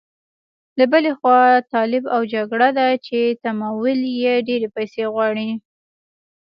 له بلې خوا طالب او جګړه ده چې تمویل یې ډېرې پيسې غواړي.